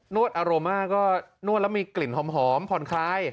วดอารม่าก็นวดแล้วมีกลิ่นหอมผ่อนคลาย